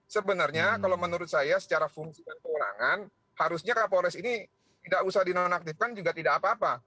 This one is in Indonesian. sebenarnya kalau menurut saya secara fungsi dan kewenangan harusnya kapolres ini tidak usah dinonaktifkan juga tidak apa apa